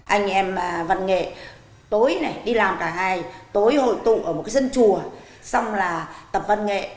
anh em văn nghệ tối đi làm cả ngày tối hội tụ ở một sân chùa xong là tập văn nghệ